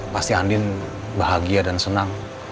pasti andin bahagia dan senang